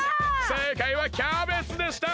せいかいはキャベツでした！